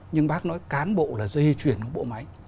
nhưng bác nói cán bộ là dây chuyển của bộ máy